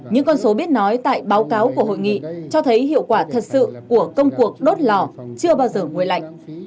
thông cáo của hội nghị cho thấy hiệu quả thật sự của công cuộc đốt lò chưa bao giờ nguồi lạnh